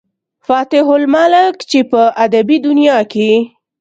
فاتح الملک، چې پۀ ادبي دنيا کښې